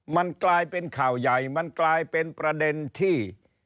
มันกลายเป็นข่าวใหญ่มันกลายเป็นประเด็นที่